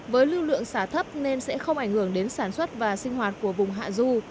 với lưu lượng xả thấp nên sẽ không ảnh hưởng đến sản xuất và sinh hoạt của vùng hạ du